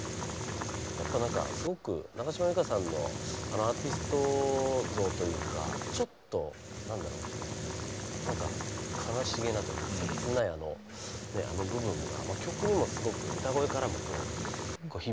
やっぱなんかすごく中島美嘉さんのあのアーティスト像というかちょっと何だろなんか悲しげなというか切ないあの部分が曲にもすごく歌声からもこう響いてくるといいますか切なさが。